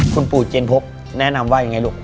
คุณปู่เจนพบแนะนำว่ายังไงลูก